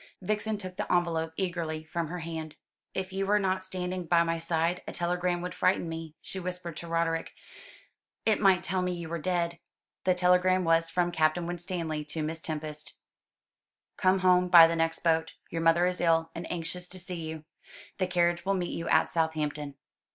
Vixen took the envelope eagerly from her hand. "If you were not standing by my side, a telegram would frighten me," she whispered to Roderick. "It might tell me you were dead." The telegram was from Captain Winstanley to Miss Tempest: "Come home by the next boat. Your mother is ill, and anxious to see you. The carriage will meet you at Southampton."